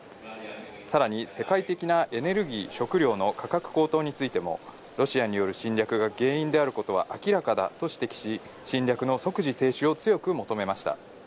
さらに世界的なエネルギー・食料の価格高騰についても、ロシアによる侵略が原因であることは明らかだと指摘し、侵略の即時停止を強く求めました。